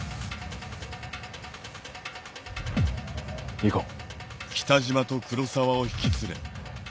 行こう。